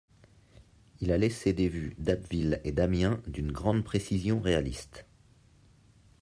Il a laissé des vues d'Abbeville et d'Amiens d'une grande précision réaliste.